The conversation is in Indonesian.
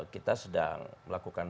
kita sedang melakukan